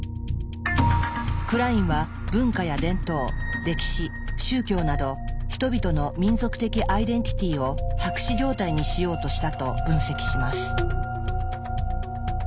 クラインは文化や伝統歴史宗教など人々の民族的アイデンティティーを白紙状態にしようとしたと分析します。